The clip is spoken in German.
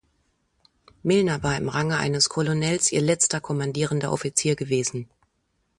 Millner war im Range eines Colonels ihr letzter kommandierender Offizier gewesen.